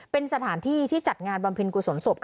เป็นสถานที่ที่จัดงานบำเพ็ญกุศลศพ